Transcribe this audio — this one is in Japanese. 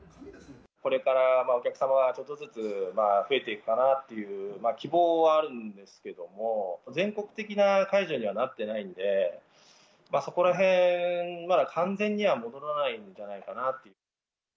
これからお客様がちょっとずつ増えていくかなっていう、希望はあるんですけども、全国的な解除にはなってないので、そこらへん、まだ完全には戻らないんじゃないかな。